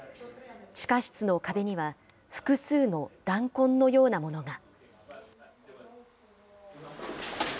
地下室の壁には、複数の弾痕のようなものが。